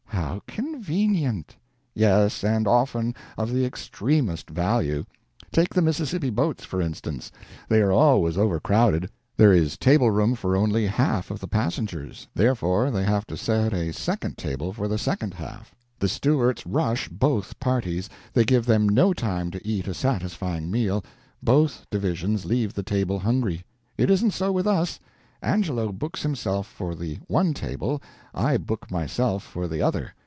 "How convenient!" "Yes, and often of the extremest value. Take the Mississippi boats, for instance. They are always overcrowded. There is table room for only half of the passengers, therefore they have to set a second table for the second half. The stewards rush both parties, they give them no time to eat a satisfying meal, both divisions leave the table hungry. It isn't so with us. Angelo books himself for the one table, I book myself for the other.